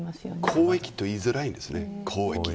公益と言いづらいんですよね。